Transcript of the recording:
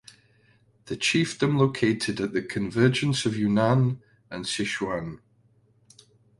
The chiefdom located at the convergence of Yunnan and Sichuan.